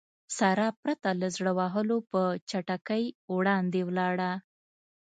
سارا پرته له زړه وهلو په چټکۍ وړاندې ولاړه.